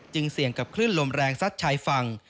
เสี่ยงกับคลื่นลมแรงซัดชายฝั่ง